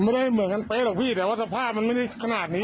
ไม่ได้เหมือนกันเป๊ะหรอกพี่แต่ว่าสภาพมันไม่ได้ขนาดนี้